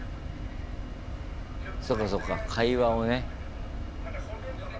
そうかそうか会話をね。